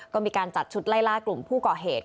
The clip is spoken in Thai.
ก็มีการจัดชุดไล่ล่ากลุ่มผู้ก่อเหตุ